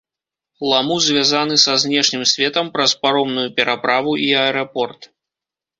Ламу звязаны са знешнім светам праз паромную пераправу і аэрапорт.